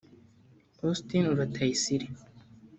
Augustin Rutayisire